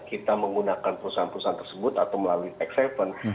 kita menggunakan perusahaan perusahaan tersebut atau melalui tax haven